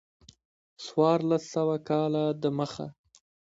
څوارلس سوه کاله د مخه.